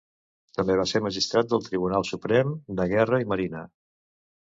També va ser magistrat del Tribunal Suprem de Guerra i Marina.